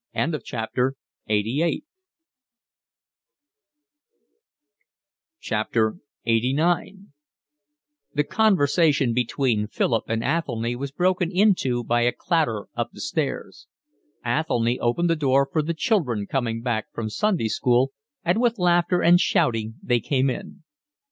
LXXXIX The conversation between Philip and Athelny was broken into by a clatter up the stairs. Athelny opened the door for the children coming back from Sunday school, and with laughter and shouting they came in.